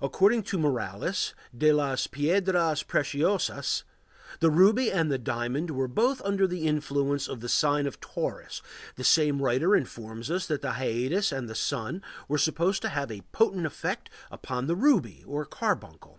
According to Morales (De las piedras preciosas), the ruby and the diamond were both under the influence of the sign of Taurus; the same writer informs us that the Hyades and the sun were supposed to have a potent effect upon the ruby or carbuncle.